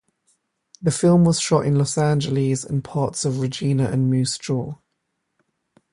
The film was shot in Los Angeles and parts of Regina and Moose Jaw.